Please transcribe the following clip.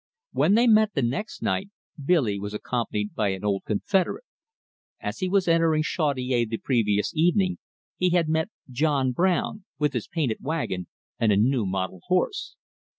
When they met the next night Billy was accompanied by an old confederate. As he was entering Chaudiere the previous evening, he had met John Brown, with his painted wagon and a new mottled horse.